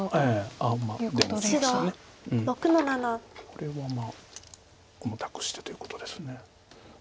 これはまあ重たくしてということです。